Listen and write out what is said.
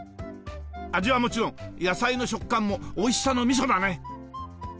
味はもちろん野菜の食感もおいしさのミソだね。